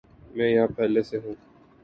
میں یہاں پہلے سے ہوں